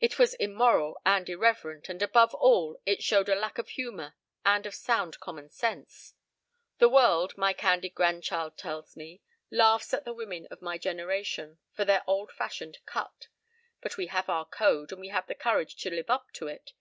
It was immoral and irreverent, and above all it showed a lack of humor and of sound common sense. The world, my candid grandchild tells me, laughs at the women of my generation for their old fashioned 'cut.' But we have our code and we have the courage to live up to it.